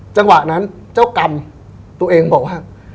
จังหวะนั้นเจ้ากรรมตัวเองบอกว่า